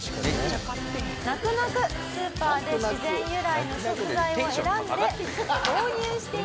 泣く泣くスーパーで自然由来の食材を選んで購入しています。